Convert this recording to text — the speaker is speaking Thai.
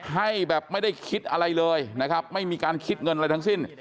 ให้แบบไม่ได้คิดอะไรเลยนะครับไม่มีการคิดเงินอะไรทั้งสิ้น